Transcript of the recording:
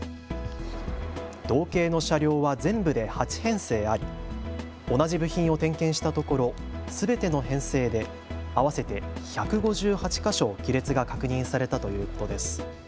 同型の車両は全部で８編成あり、同じ部品を点検したところすべての編成で合わせて１５８か所、亀裂が確認されたということです。